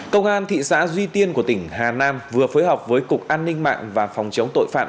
công an thị xã duy tiên của tỉnh hà nam vừa phối hợp với cục an ninh mạng và phòng chống tội phạm